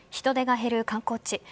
人出が減る観光地。